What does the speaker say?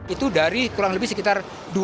itu dari kurang lebih sekitar